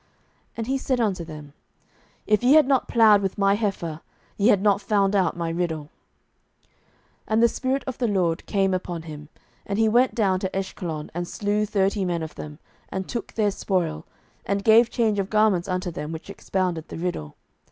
and he said unto them, If ye had not plowed with my heifer, ye had not found out my riddle. 07:014:019 And the Spirit of the LORD came upon him, and he went down to Ashkelon, and slew thirty men of them, and took their spoil, and gave change of garments unto them which expounded the riddle.